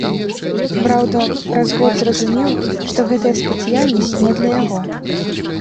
Праўда, праз год зразумеў, што гэтая спецыяльнасць не для яго.